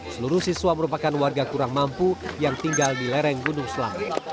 seluruh siswa merupakan warga kurang mampu yang tinggal di lereng gunung selamet